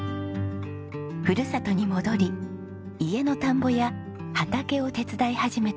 ふるさとに戻り家の田んぼや畑を手伝い始めた浩樹さん。